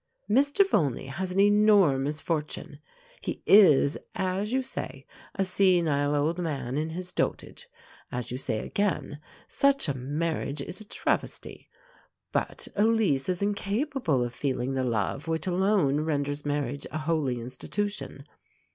Mr. Volney has an enormous fortune. He is, as you say, a senile old man in his dotage. As you say again, such a marriage is a travesty. But Elise is incapable of feeling the love which alone renders marriage a holy institution.